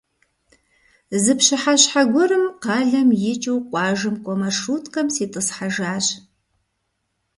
Зы пщыхьэщхьэ гуэрым къалэм икӀыу къуажэм кӀуэ маршруткэм ситӀысхьэжащ.